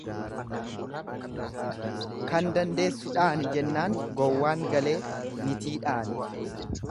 Kan dandeessu dhaani jennaan gowwaan galee nitii dhaane.